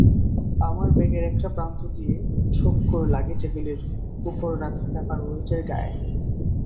আমার ব্যাগের একটা প্রান্ত গিয়ে ঠোক্কর লাগে টেবিলের ওপর রাখা পেপার ওয়েটের গায়ে।